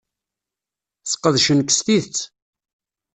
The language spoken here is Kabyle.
Sqedcen-k s tidet.